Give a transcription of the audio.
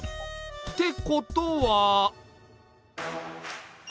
ってことは。